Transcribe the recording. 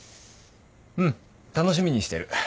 うん楽しみにしてる。